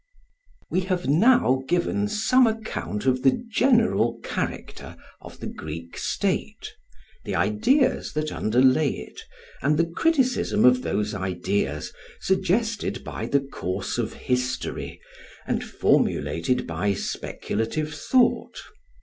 We have now given some account of the general character of the Greek state, the ideas that underlay it, and the criticism of those ideas suggested by the course of history and formulated by speculative thought.